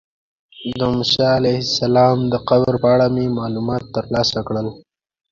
د موسی علیه السلام د قبر په اړه مې معلومات ترلاسه کړل.